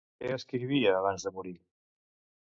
Què escrivia abans de morir?